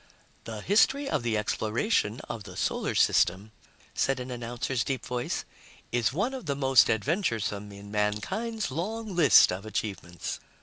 "The history of the exploration of the Solar System," said an announcer's deep voice, "is one of the most adventuresome in mankind's long list of achievements.